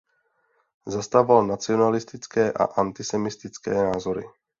Zastával nacionalistické a antisemitské názory.